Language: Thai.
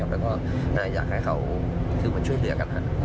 และก็อยากให้เขาไปช่วยเหลือกัน